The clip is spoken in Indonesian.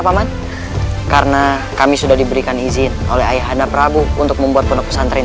paman karena kami sudah diberikan izin oleh ayah anda prabu untuk membuat penduk pesantren